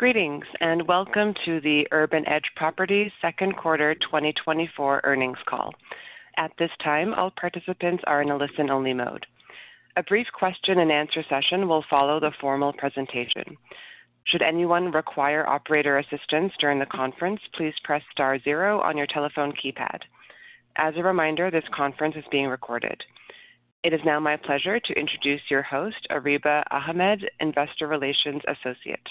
Greetings and welcome to the Urban Edge Properties Second Quarter 2024 Earnings call. At this time, all participants are in a listen-only mode. A brief question-and-answer session will follow the formal presentation. Should anyone require operator assistance during the conference, please press star zero on your telephone keypad. As a reminder, this conference is being recorded. It is now my pleasure to introduce your host, Areeba Ahmed, Investor Relations Associate.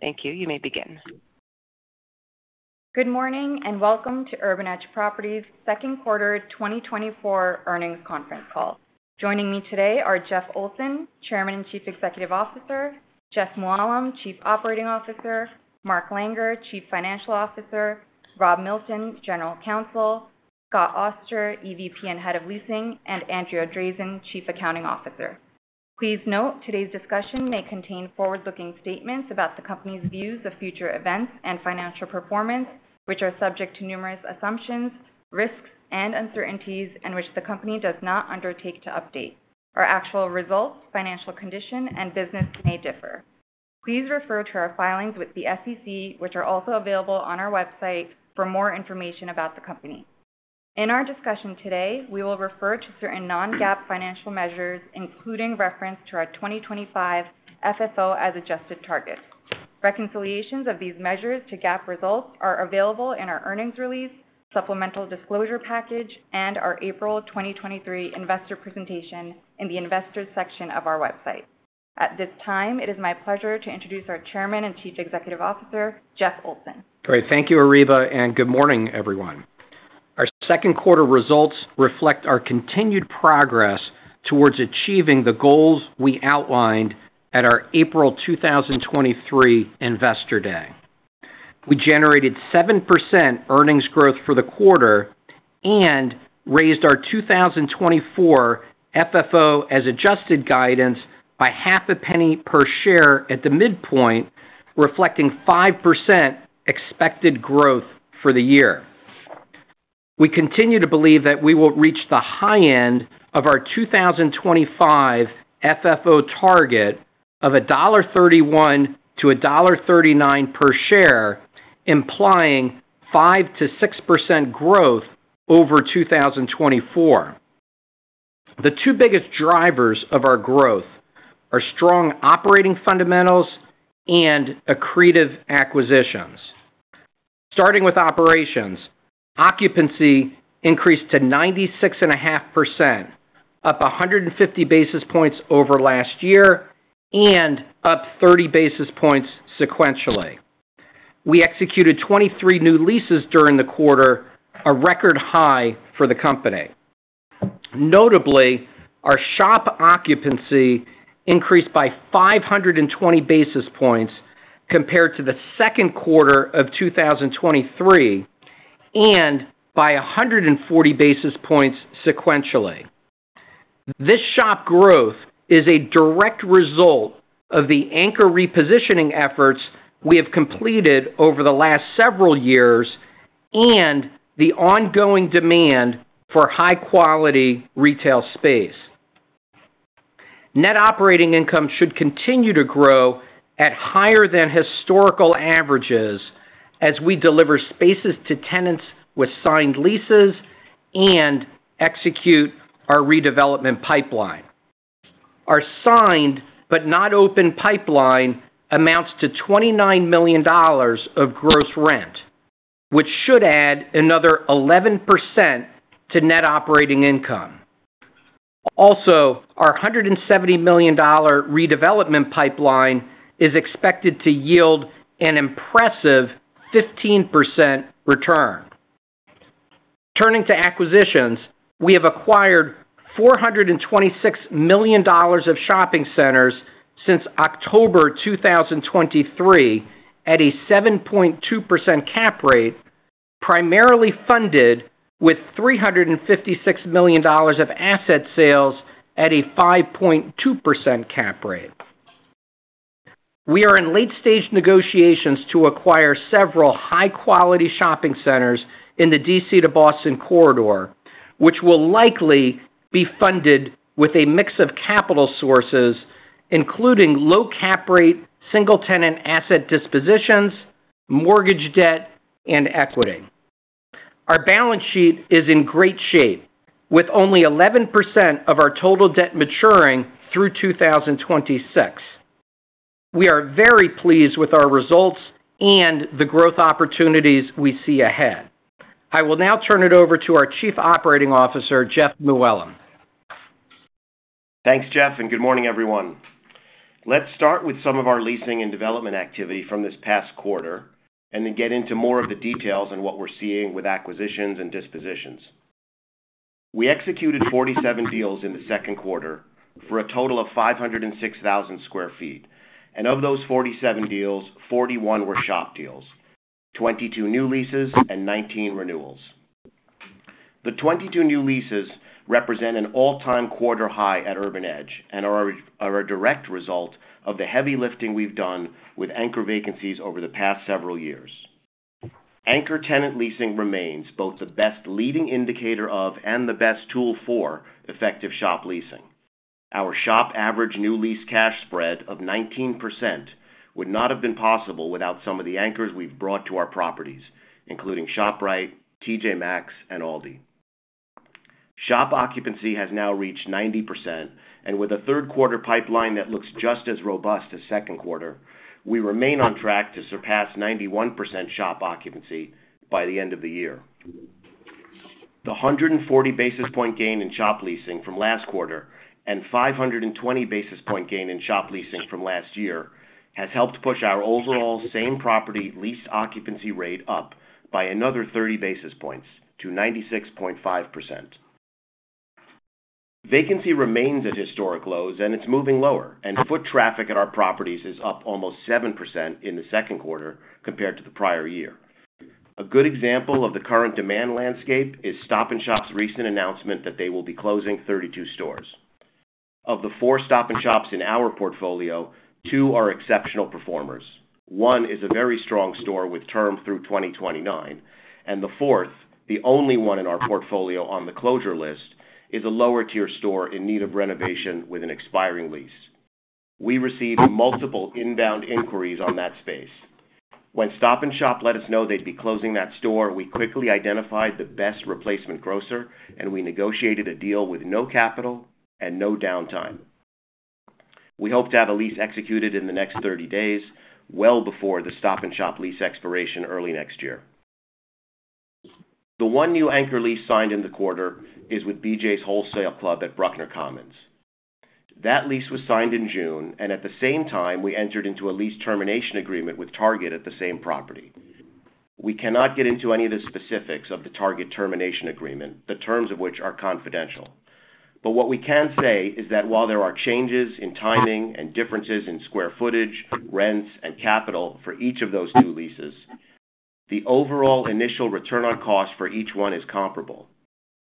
Thank you. You may begin. Good morning and welcome to Urban Edge Properties Second Quarter 2024 Earnings Conference Call. Joining me today are Jeff Olson, Chairman and Chief Executive Officer, Jeff Mooallem, Chief Operating Officer, Mark Langer, Chief Financial Officer, Rob Milton, General Counsel, Scott Auster, EVP and Head of Leasing, and Andrea Drazin, Chief Accounting Officer. Please note today's discussion may contain forward-looking statements about the company's views of future events and financial performance, which are subject to numerous assumptions, risks, and uncertainties and which the company does not undertake to update. Our actual results, financial condition, and business may differ. Please refer to our filings with the SEC, which are also available on our website, for more information about the company. In our discussion today, we will refer to certain non-GAAP financial measures, including reference to our 2025 FFO as adjusted target. Reconciliations of these measures to GAAP results are available in our earnings release, supplemental disclosure package, and our April 2023 investor presentation in the investors' section of our website. At this time, it is my pleasure to introduce our Chairman and Chief Executive Officer, Jeff Olson. Great. Thank you, Areeba, and good morning, everyone. Our second quarter results reflect our continued progress towards achieving the goals we outlined at our April 2023 Investor Day. We generated 7% earnings growth for the quarter and raised our 2024 FFO as adjusted guidance by $0.005 per share at the midpoint, reflecting 5% expected growth for the year. We continue to believe that we will reach the high end of our 2025 FFO target of $1.31-$1.39 per share, implying 5%-6% growth over 2024. The two biggest drivers of our growth are strong operating fundamentals and accretive acquisitions. Starting with operations, occupancy increased to 96.5%, up 150 basis points over last year, and up 30 basis points sequentially. We executed 23 new leases during the quarter, a record high for the company. Notably, our shop occupancy increased by 520 basis points compared to the second quarter of 2023 and by 140 basis points sequentially. This shop growth is a direct result of the anchor repositioning efforts we have completed over the last several years and the ongoing demand for high-quality retail space. Net operating income should continue to grow at higher than historical averages as we deliver spaces to tenants with signed leases and execute our redevelopment pipeline. Our signed but not open pipeline amounts to $29 million of gross rent, which should add another 11% to net operating income. Also, our $170 million redevelopment pipeline is expected to yield an impressive 15% return. Turning to acquisitions, we have acquired $426 million of shopping centers since October 2023 at a 7.2% cap rate, primarily funded with $356 million of asset sales at a 5.2% cap rate. We are in late-stage negotiations to acquire several high-quality shopping centers in the D.C. to Boston corridor, which will likely be funded with a mix of capital sources, including low cap rate, single-tenant asset dispositions, mortgage debt, and equity. Our balance sheet is in great shape, with only 11% of our total debt maturing through 2026. We are very pleased with our results and the growth opportunities we see ahead. I will now turn it over to our Chief Operating Officer, Jeff Mooallem. Thanks, Jeff, and good morning, everyone. Let's start with some of our leasing and development activity from this past quarter and then get into more of the details and what we're seeing with acquisitions and dispositions. We executed 47 deals in the second quarter for a total of 506,000 sq ft. And of those 47 deals, 41 were shop deals, 22 new leases, and 19 renewals. The 22 new leases represent an all-time quarter high at Urban Edge and are a direct result of the heavy lifting we've done with anchor vacancies over the past several years. Anchor tenant leasing remains both the best leading indicator of and the best tool for effective shop leasing. Our shop average new lease cash spread of 19% would not have been possible without some of the anchors we've brought to our properties, including ShopRite, T.J. Maxx, and ALDI. Shop occupancy has now reached 90%, and with a third quarter pipeline that looks just as robust as second quarter, we remain on track to surpass 91% shop occupancy by the end of the year. The 140 basis point gain in shop leasing from last quarter and 520 basis point gain in shop leasing from last year has helped push our overall same property lease occupancy rate up by another 30 basis points to 96.5%. Vacancy remains at historic lows, and it's moving lower, and foot traffic at our properties is up almost 7% in the second quarter compared to the prior year. A good example of the current demand landscape is Stop & Shop's recent announcement that they will be closing 32 stores. Of the four Stop & Shops in our portfolio, two are exceptional performers. One is a very strong store with term through 2029, and the fourth, the only one in our portfolio on the closure list, is a lower-tier store in need of renovation with an expiring lease. We received multiple inbound inquiries on that space. When Stop & Shop let us know they'd be closing that store, we quickly identified the best replacement grocer, and we negotiated a deal with no capital and no downtime. We hope to have a lease executed in the next 30 days, well before the Stop & Shop lease expiration early next year. The one new anchor lease signed in the quarter is with BJ's Wholesale Club at Bruckner Commons. That lease was signed in June, and at the same time, we entered into a lease termination agreement with Target at the same property. We cannot get into any of the specifics of the Target termination agreement, the terms of which are confidential. But what we can say is that while there are changes in timing and differences in square footage, rents, and capital for each of those two leases, the overall initial return on cost for each one is comparable,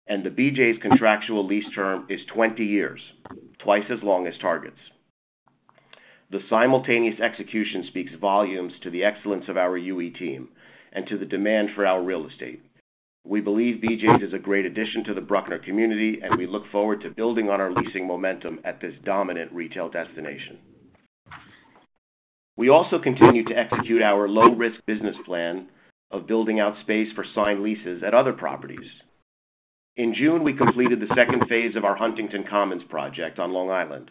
and the BJ's contractual lease term is 20 years, twice as long as Target's. The simultaneous execution speaks volumes to the excellence of our UE team and to the demand for our real estate. We believe BJ's is a great addition to the Bruckner community, and we look forward to building on our leasing momentum at this dominant retail destination. We also continue to execute our low-risk business plan of building out space for signed leases at other properties. In June, we completed the second phase of our Huntington Commons project on Long Island,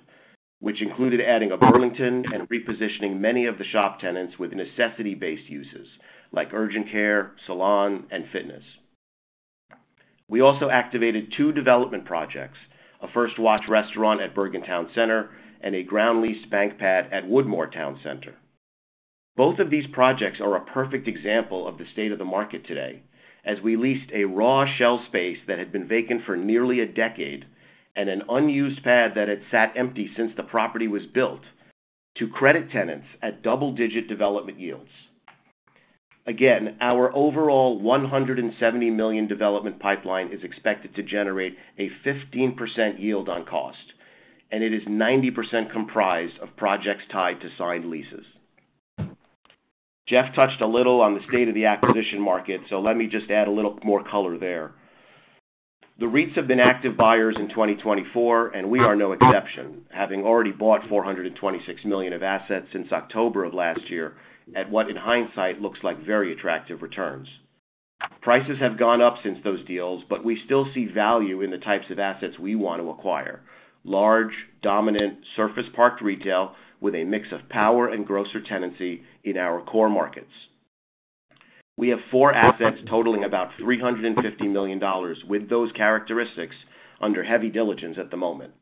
which included adding a Burlington and repositioning many of the shop tenants with necessity-based uses like urgent care, salon, and fitness. We also activated two development projects: a First Watch restaurant at Bergen Town Center and a ground-leased bank pad at Woodmore Town Center. Both of these projects are a perfect example of the state of the market today, as we leased a raw shell space that had been vacant for nearly a decade and an unused pad that had sat empty since the property was built to credit tenants at double-digit development yields. Again, our overall $170 million development pipeline is expected to generate a 15% yield on cost, and it is 90% comprised of projects tied to signed leases. Jeff touched a little on the state of the acquisition market, so let me just add a little more color there. The REITs have been active buyers in 2024, and we are no exception, having already bought $426 million of assets since October of last year at what, in hindsight, looks like very attractive returns. Prices have gone up since those deals, but we still see value in the types of assets we want to acquire: large, dominant, surface-parked retail with a mix of power and grocer tenancy in our core markets. We have four assets totaling about $350 million with those characteristics under heavy diligence at the moment.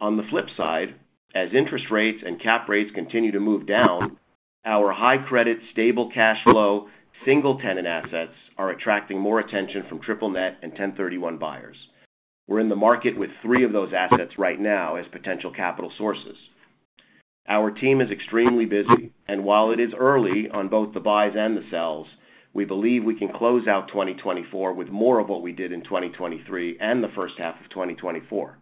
On the flip side, as interest rates and cap rates continue to move down, our high-credit, stable cash flow, single-tenant assets are attracting more attention from triple-net and 1031 buyers. We're in the market with three of those assets right now as potential capital sources. Our team is extremely busy, and while it is early on both the buys and the sells, we believe we can close out 2024 with more of what we did in 2023 and the first half of 2024,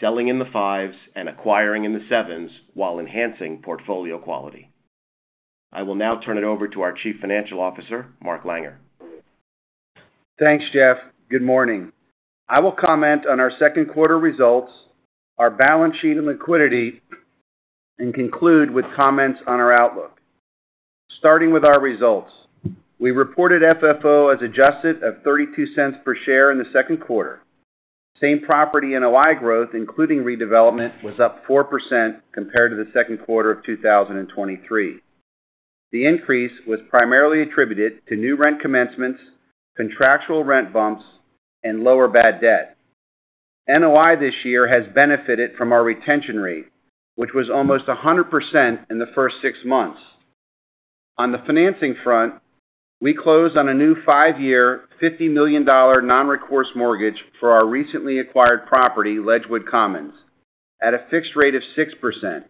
selling in the fives and acquiring in the sevens while enhancing portfolio quality. I will now turn it over to our Chief Financial Officer, Mark Langer. Thanks, Jeff. Good morning. I will comment on our second quarter results, our balance sheet and liquidity, and conclude with comments on our outlook. Starting with our results, we reported FFO as adjusted of $0.32 per share in the second quarter. Same-property NOI growth, including redevelopment, was up 4% compared to the second quarter of 2023. The increase was primarily attributed to new rent commencements, contractual rent bumps, and lower bad debt. NOI this year has benefited from our retention rate, which was almost 100% in the first six months. On the financing front, we closed on a new five-year, $50 million non-recourse mortgage for our recently acquired property, Ledgewood Commons, at a fixed rate of 6%,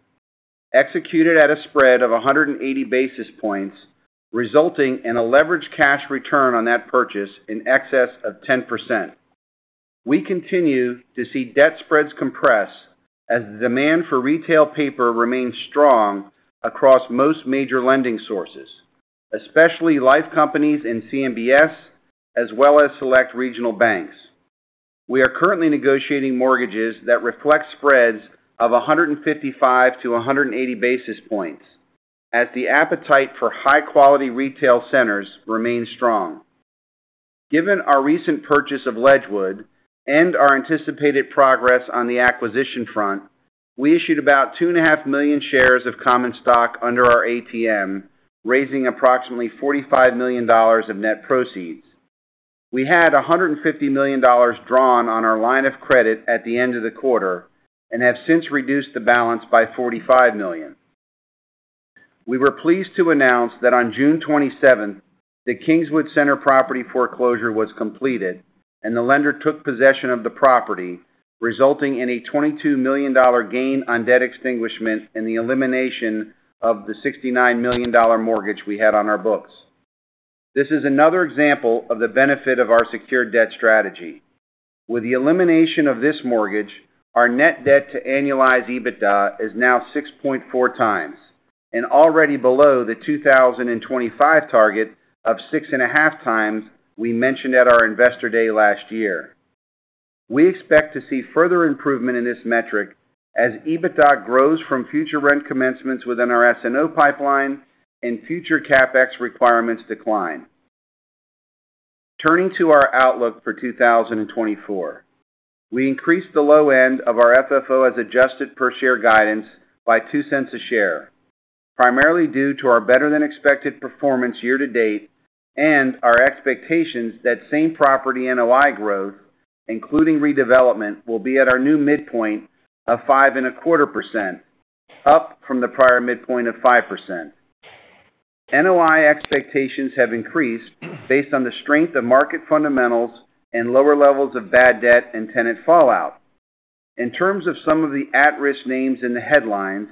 executed at a spread of 180 basis points, resulting in a leveraged cash return on that purchase in excess of 10%. We continue to see debt spreads compress as the demand for retail paper remains strong across most major lending sources, especially life companies and CMBS, as well as select regional banks. We are currently negotiating mortgages that reflect spreads of 155-180 basis points as the appetite for high-quality retail centers remains strong. Given our recent purchase of Ledgewood and our anticipated progress on the acquisition front, we issued about 2.5 million shares of common stock under our ATM, raising approximately $45 million of net proceeds. We had $150 million drawn on our line of credit at the end of the quarter and have since reduced the balance by $45 million. We were pleased to announce that on June 27th, the Kingswood Center property foreclosure was completed and the lender took possession of the property, resulting in a $22 million gain on debt extinguishment and the elimination of the $69 million mortgage we had on our books. This is another example of the benefit of our secured debt strategy. With the elimination of this mortgage, our net debt to annualized EBITDA is now 6.4x and already below the 2025 target of 6.5x we mentioned at our investor day last year. We expect to see further improvement in this metric as EBITDA grows from future rent commencements within our SNO pipeline and future CapEx requirements decline. Turning to our outlook for 2024, we increased the low end of our FFO as adjusted per share guidance by $0.02 per share, primarily due to our better-than-expected performance year to date and our expectations that same property NOI growth, including redevelopment, will be at our new midpoint of 5.25%, up from the prior midpoint of 5%. NOI expectations have increased based on the strength of market fundamentals and lower levels of bad debt and tenant fallout. In terms of some of the at-risk names in the headlines,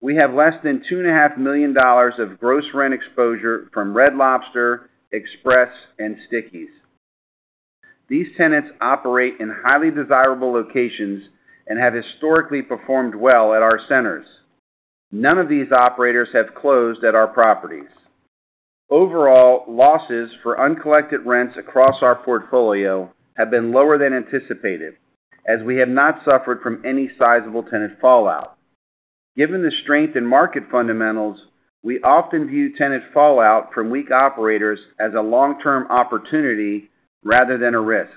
we have less than $2.5 million of gross rent exposure from Red Lobster, Express, and Sticky's. These tenants operate in highly desirable locations and have historically performed well at our centers. None of these operators have closed at our properties. Overall, losses for uncollected rents across our portfolio have been lower than anticipated, as we have not suffered from any sizable tenant fallout. Given the strength in market fundamentals, we often view tenant fallout from weak operators as a long-term opportunity rather than a risk.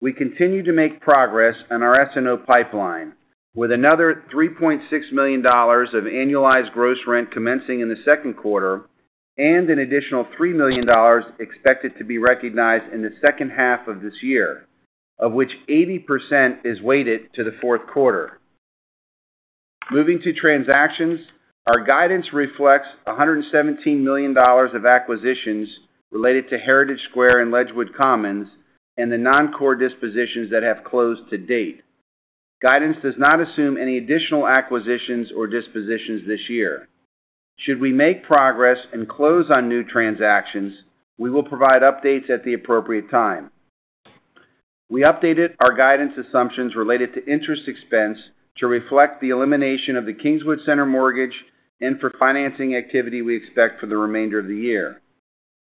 We continue to make progress on our S&O pipeline, with another $3.6 million of annualized gross rent commencing in the second quarter and an additional $3 million expected to be recognized in the second half of this year, of which 80% is weighted to the fourth quarter. Moving to transactions, our guidance reflects $117 million of acquisitions related to Heritage Square and Ledgewood Commons and the non-core dispositions that have closed to date. Guidance does not assume any additional acquisitions or dispositions this year. Should we make progress and close on new transactions, we will provide updates at the appropriate time. We updated our guidance assumptions related to interest expense to reflect the elimination of the Kingswood Center mortgage and for financing activity we expect for the remainder of the year.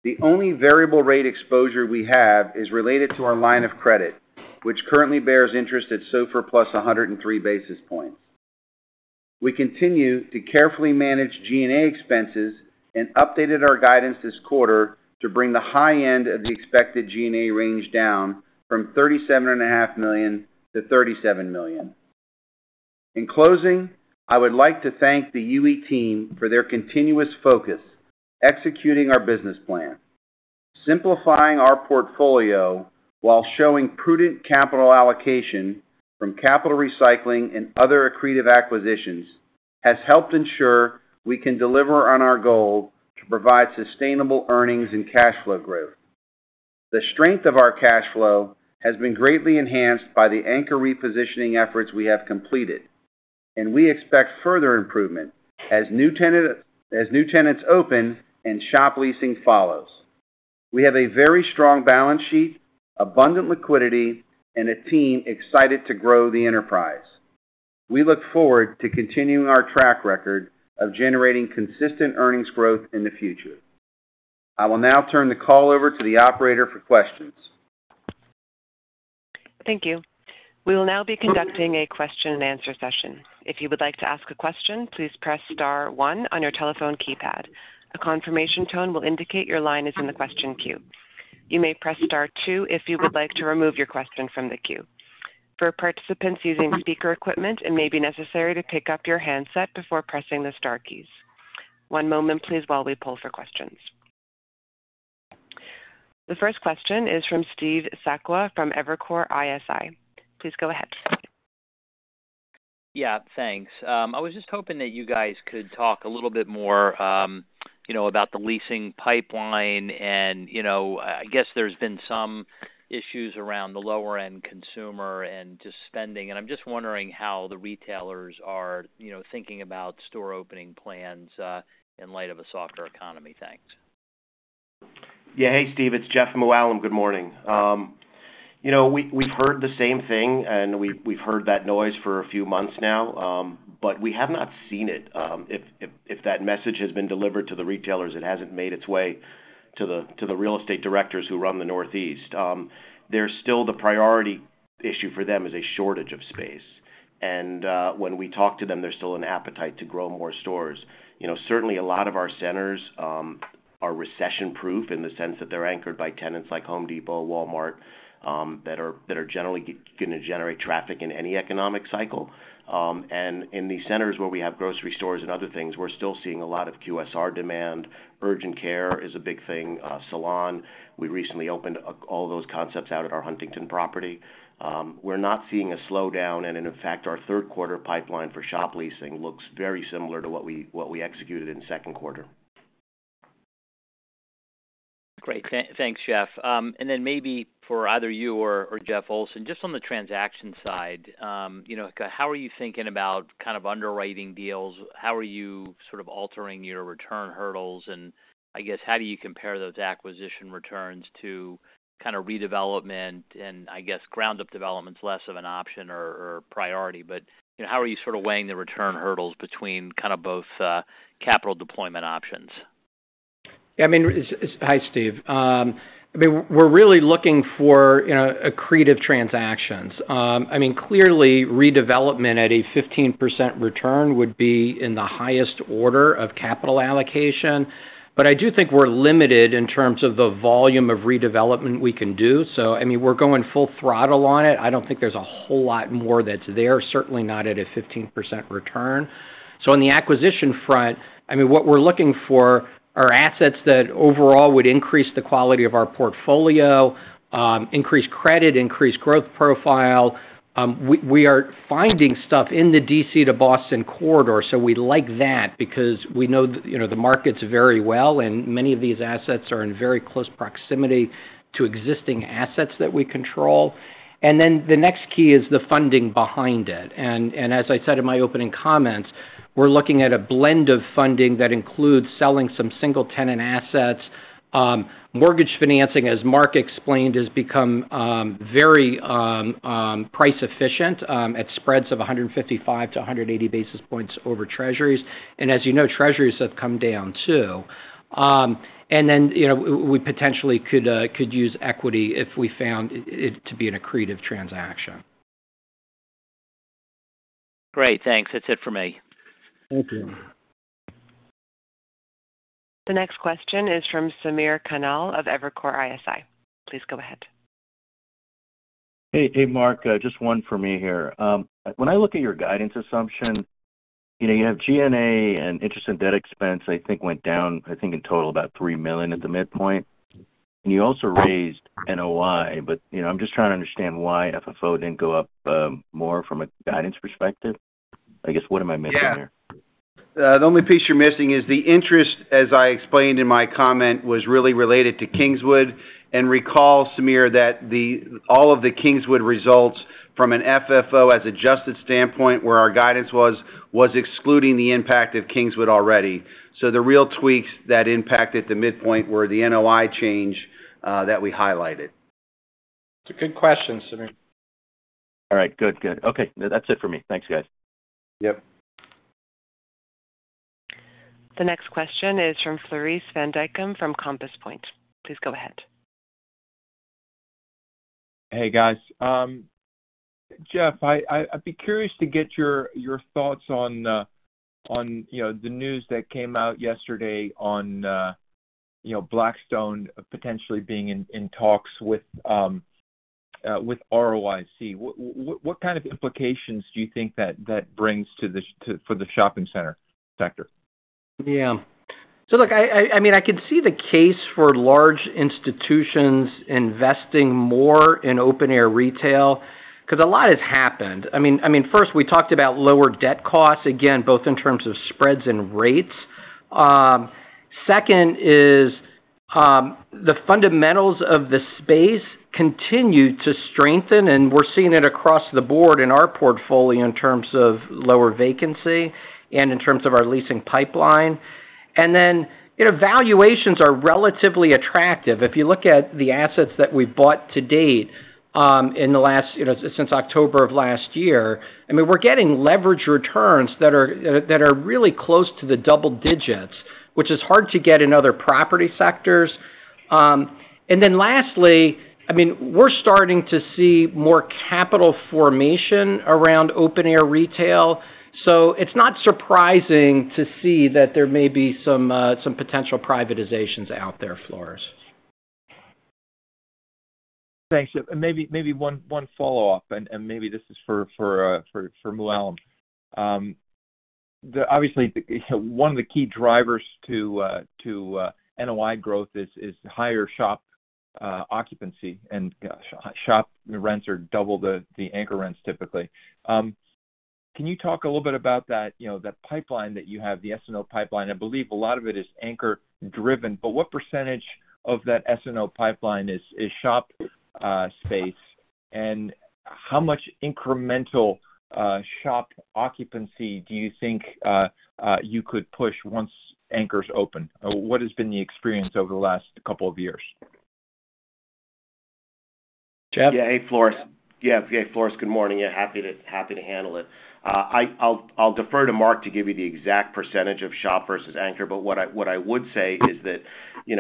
The only variable-rate exposure we have is related to our line of credit, which currently bears interest at SOFR plus 103 basis points. We continue to carefully manage G&A expenses and updated our guidance this quarter to bring the high end of the expected G&A range down from $37.5 million to $37 million. In closing, I would like to thank the UE team for their continuous focus executing our business plan. Simplifying our portfolio while showing prudent capital allocation from capital recycling and other accretive acquisitions has helped ensure we can deliver on our goal to provide sustainable earnings and cash flow growth. The strength of our cash flow has been greatly enhanced by the anchor repositioning efforts we have completed, and we expect further improvement as new tenants open and shop leasing follows. We have a very strong balance sheet, abundant liquidity, and a team excited to grow the enterprise. We look forward to continuing our track record of generating consistent earnings growth in the future. I will now turn the call over to the operator for questions. Thank you. We will now be conducting a question-and-answer session. If you would like to ask a question, please press star one on your telephone keypad. A confirmation tone will indicate your line is in the question queue. You may press star two if you would like to remove your question from the queue. For participants using speaker equipment, it may be necessary to pick up your handset before pressing the star keys. One moment, please, while we pull for questions. The first question is from Steve Sakwa from Evercore ISI. Please go ahead. Yeah, thanks. I was just hoping that you guys could talk a little bit more about the leasing pipeline, and I guess there's been some issues around the lower-end consumer and just spending, and I'm just wondering how the retailers are thinking about store opening plans in light of a softer economy. Thanks. Yeah, hey, Steve. It's Jeff Mooallem. Good morning. We've heard the same thing, and we've heard that noise for a few months now, but we have not seen it. If that message has been delivered to the retailers, it hasn't made its way to the real estate directors who run the Northeast. There's still the priority issue for them is a shortage of space, and when we talk to them, there's still an appetite to grow more stores. Certainly, a lot of our centers are recession-proof in the sense that they're anchored by tenants like Home Depot, Walmart, that are generally going to generate traffic in any economic cycle. And in the centers where we have grocery stores and other things, we're still seeing a lot of QSR demand. Urgent care is a big thing. Salon, we recently opened all those concepts out at our Huntington property. We're not seeing a slowdown, and in fact, our third-quarter pipeline for shop leasing looks very similar to what we executed in second quarter. Great. Thanks, Jeff. And then maybe for either you or Jeff Olson, just on the transaction side, how are you thinking about kind of underwriting deals? How are you sort of altering your return hurdles? And I guess, how do you compare those acquisition returns to kind of redevelopment and, I guess, ground-up development's less of an option or priority? But how are you sort of weighing the return hurdles between kind of both capital deployment options? Yeah, I mean, hi, Steve. I mean, we're really looking for accretive transactions. I mean, clearly, redevelopment at a 15% return would be in the highest order of capital allocation, but I do think we're limited in terms of the volume of redevelopment we can do. So, I mean, we're going full throttle on it. I don't think there's a whole lot more that's there, certainly not at a 15% return. So on the acquisition front, I mean, what we're looking for are assets that overall would increase the quality of our portfolio, increase credit, increase growth profile. We are finding stuff in the D.C. to Boston corridor, so we like that because we know the markets very well, and many of these assets are in very close proximity to existing assets that we control. And then the next key is the funding behind it. As I said in my opening comments, we're looking at a blend of funding that includes selling some single-tenant assets. Mortgage financing, as Mark explained, has become very price-efficient at spreads of 155-180 basis points over Treasuries. And as you know, Treasuries have come down too. And then we potentially could use equity if we found it to be an accretive transaction. Great. Thanks. That's it for me. Thank you. The next question is from Samir Khanal of Evercore ISI. Please go ahead. Hey, Mark. Just one for me here. When I look at your guidance assumption, you have G&A and interest and debt expense, I think, went down, I think, in total about $3 million at the midpoint. And you also raised NOI, but I'm just trying to understand why FFO didn't go up more from a guidance perspective. I guess, what am I missing here? Yeah. The only piece you're missing is the interest, as I explained in my comment, was really related to Kingswood. And recall, Samir, that all of the Kingswood results from an FFO as adjusted standpoint, where our guidance was, was excluding the impact of Kingswood already. So the real tweaks that impacted the midpoint were the NOI change that we highlighted. That's a good question, Samir. All right. Good, good. Okay. That's it for me. Thanks, guys. Yep. The next question is from Floris van Dijkum from Compass Point. Please go ahead. Hey, guys. Jeff, I'd be curious to get your thoughts on the news that came out yesterday on Blackstone potentially being in talks with ROIC. What kind of implications do you think that brings for the shopping center sector? Yeah. So look, I mean, I can see the case for large institutions investing more in open-air retail because a lot has happened. I mean, first, we talked about lower debt costs, again, both in terms of spreads and rates. Second is the fundamentals of the space continue to strengthen, and we're seeing it across the board in our portfolio in terms of lower vacancy and in terms of our leasing pipeline. And then valuations are relatively attractive. If you look at the assets that we bought to date since October of last year, I mean, we're getting leverage returns that are really close to the double digits, which is hard to get in other property sectors. And then lastly, I mean, we're starting to see more capital formation around open-air retail. So it's not surprising to see that there may be some potential privatizations out there, Floris. Thanks, Jeff. And maybe one follow-up, and maybe this is for Mooallem. Obviously, one of the key drivers to NOI growth is higher shop occupancy, and shop rents are double the anchor rents typically. Can you talk a little bit about that pipeline that you have, the SNO pipeline? I believe a lot of it is anchor-driven, but what percentage of that SNO pipeline is shop space, and how much incremental shop occupancy do you think you could push once anchors open? What has been the experience over the last couple of years? Jeff? Yeah. Hey, Floris. Yeah. Hey, Floris. Good morning. Yeah, happy to handle it. I'll defer to Mark to give you the exact percentage of shop versus anchor, but what I would say is that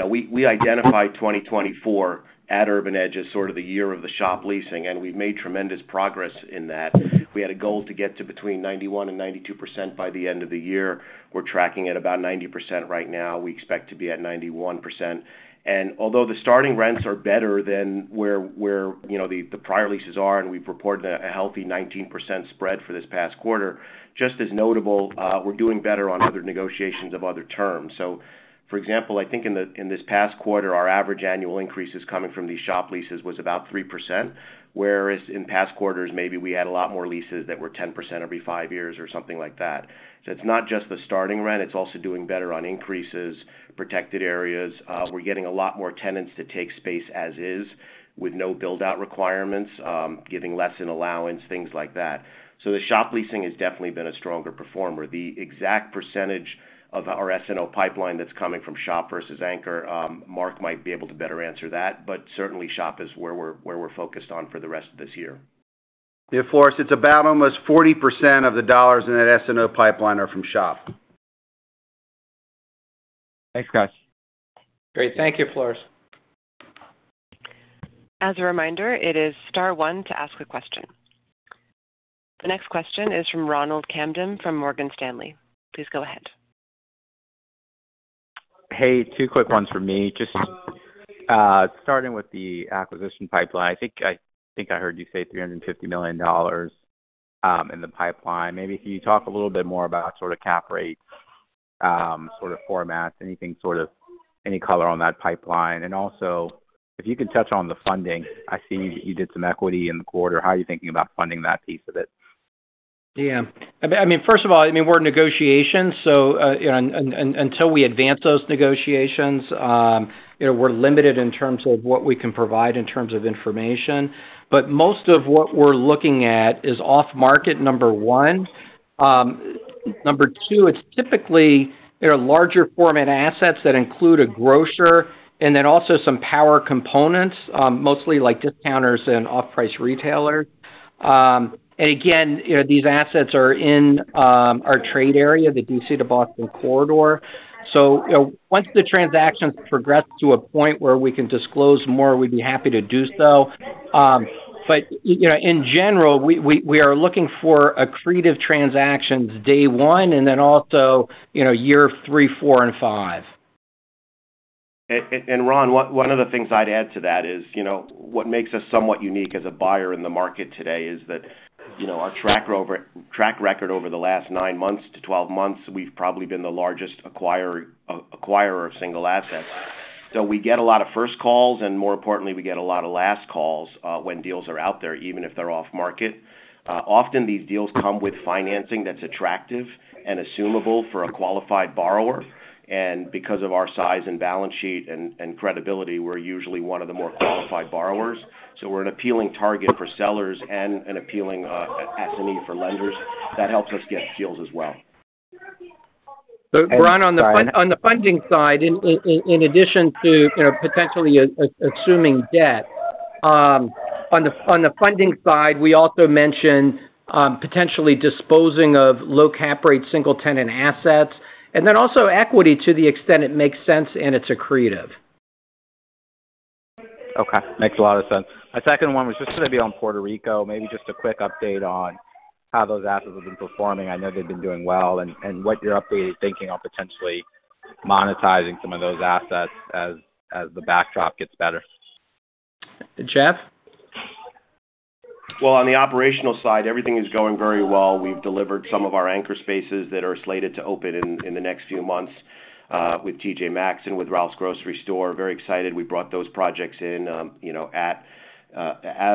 we identified 2024 at Urban Edge as sort of the year of the shop leasing, and we've made tremendous progress in that. We had a goal to get to between 91% and 92% by the end of the year. We're tracking at about 90% right now. We expect to be at 91%. And although the starting rents are better than where the prior leases are, and we've reported a healthy 19% spread for this past quarter, just as notable, we're doing better on other negotiations of other terms. So, for example, I think in this past quarter, our average annual increases coming from these shop leases was about 3%, whereas in past quarters, maybe we had a lot more leases that were 10% every five years or something like that. So it's not just the starting rent. It's also doing better on increases, protected areas. We're getting a lot more tenants to take space as is with no build-out requirements, giving less in allowance, things like that. So the shop leasing has definitely been a stronger performer. The exact percentage of our SNO pipeline that's coming from shop versus anchor, Mark might be able to better answer that, but certainly, shop is where we're focused on for the rest of this year. Yeah, Floris, it's about almost 40% of the dollars in that SNO pipeline are from shop. Thanks, guys. Great. Thank you, Floris. As a reminder, it is star one to ask a question. The next question is from Ronald Kamdem from Morgan Stanley. Please go ahead. Hey, two quick ones for me. Just starting with the acquisition pipeline, I think I heard you say $350 million in the pipeline. Maybe can you talk a little bit more about sort of cap rate, sort of formats, any color on that pipeline? And also, if you can touch on the funding, I see you did some equity in the quarter. How are you thinking about funding that piece of it? Yeah. I mean, first of all, I mean, we're in negotiations, so until we advance those negotiations, we're limited in terms of what we can provide in terms of information. But most of what we're looking at is off-market, number one. Number two, it's typically larger format assets that include a grocer and then also some power components, mostly like discounters and off-price retailers. And again, these assets are in our trade area, the D.C. to Boston corridor. So once the transactions progress to a point where we can disclose more, we'd be happy to do so. But in general, we are looking for accretive transactions day one and then also year three, four, and five. Ron, one of the things I'd add to that is what makes us somewhat unique as a buyer in the market today is that our track record over the last nine months to 12 months, we've probably been the largest acquirer of single assets. So we get a lot of first calls, and more importantly, we get a lot of last calls when deals are out there, even if they're off-market. Often, these deals come with financing that's attractive and assumable for a qualified borrower. And because of our size and balance sheet and credibility, we're usually one of the more qualified borrowers. So we're an appealing target for sellers and an appealing SME for lenders. That helps us get deals as well. Ron, on the funding side, in addition to potentially assuming debt, on the funding side, we also mentioned potentially disposing of low cap rate single-tenant assets and then also equity to the extent it makes sense and it's accretive. Okay. Makes a lot of sense. My second one was just going to be on Puerto Rico. Maybe just a quick update on how those assets have been performing. I know they've been doing well. And what your updated thinking on potentially monetizing some of those assets as the backdrop gets better? Jeff? Well, on the operational side, everything is going very well. We've delivered some of our anchor spaces that are slated to open in the next few months with T.J. Maxx and with Ralph's Grocery Store. Very excited. We brought those projects in at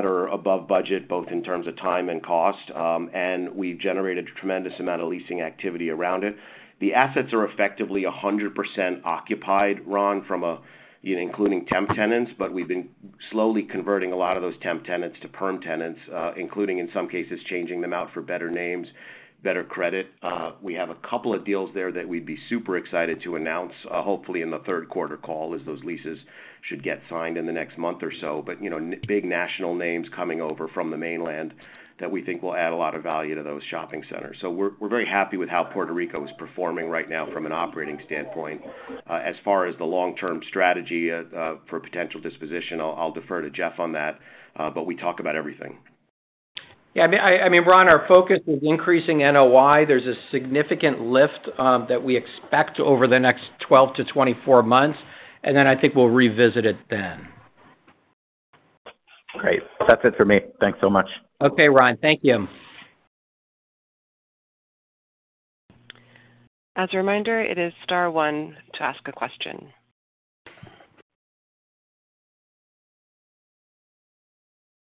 or above budget, both in terms of time and cost. We've generated a tremendous amount of leasing activity around it. The assets are effectively 100% occupied, Ron, including temp tenants, but we've been slowly converting a lot of those temp tenants to perm tenants, including in some cases changing them out for better names, better credit. We have a couple of deals there that we'd be super excited to announce, hopefully in the third quarter call as those leases should get signed in the next month or so. But big national names coming over from the mainland that we think will add a lot of value to those shopping centers. So we're very happy with how Puerto Rico is performing right now from an operating standpoint. As far as the long-term strategy for potential disposition, I'll defer to Jeff on that, but we talk about everything. Yeah. I mean, Ron, our focus is increasing NOI. There's a significant lift that we expect over the next 12-24 months, and then I think we'll revisit it then. Great. That's it for me. Thanks so much. Okay, Ron. Thank you. As a reminder, it is star one to ask a question.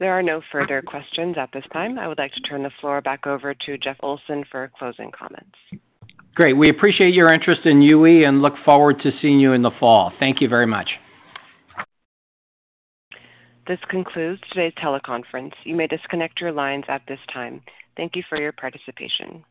There are no further questions at this time. I would like to turn the floor back over to Jeff Olson for closing comments. Great. We appreciate your interest in UE and look forward to seeing you in the fall. Thank you very much. This concludes today's teleconference. You may disconnect your lines at this time. Thank you for your participation.